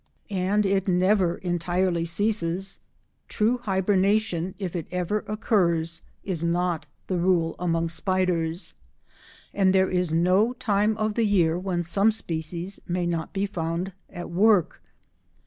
And it never entirely ceases. True hibernation, if it ever occurs, is not the rule among spiders, and there is no time of the year when some species may not be found at work.